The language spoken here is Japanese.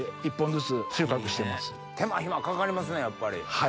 手間暇かかりますねやっぱり。